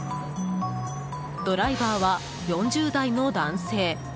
ドライバーは４０代の男性。